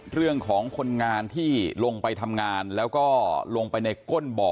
เรื่องของคนงานที่ลงไปทำงานแล้วก็ลงไปในก้นบ่อ